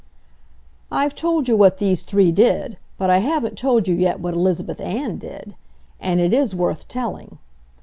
I've told you what these three did, but I haven't told you yet what Elizabeth Ann did. And it is worth telling.